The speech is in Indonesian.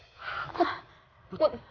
cek kondisi lo sekarang ya